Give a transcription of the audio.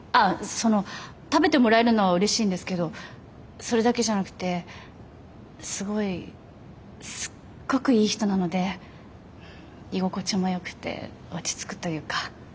その食べてもらえるのはうれしいんですけどそれだけじゃなくてすごいすっごくいい人なので居心地もよくて落ち着くというか。